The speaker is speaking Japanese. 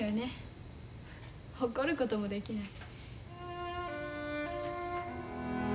怒ることもできない。